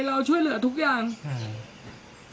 หนูก็พูดอย่างงี้หนูก็พูดอย่างงี้